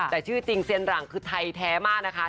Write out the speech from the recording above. แต่ชื่อจริงเซียนหลังคือไทยแท้มากนะคะ